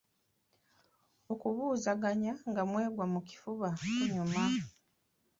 Okubuuzaganya nga mwegwa mu kafuba kunyuma.